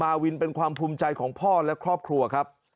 มาวินเป็นความภูมิใจของพ่อและครอบครัวครับ